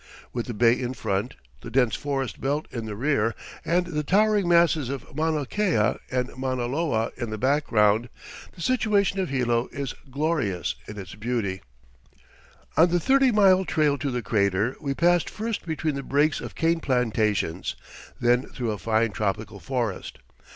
With the bay in front, the dense forest belt in the rear, and the towering masses of Mauna Kea and Mauna Loa in the background, the situation of Hilo is glorious in its beauty. [Illustration: SILVERSWORD IN BLOOM, IN THE CRATER OF HALEAKALA.] On the thirty mile trail to the crater we passed first between the brakes of cane plantations, then through a fine tropical forest.